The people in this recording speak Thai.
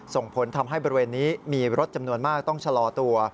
ส่งผลทำให้บริเวณนี้มีรถจำนวนมากต้องชะลอตัว